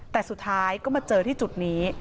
แต่สุดท้ายก็มาเจอที่จุดนี้